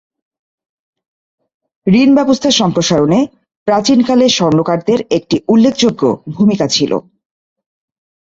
ঋণ ব্যবস্থা সম্প্রসারণে প্রাচীনকালে স্বর্ণকারদের একটি উল্লেখযোগ্য ভূমিকা ছিল।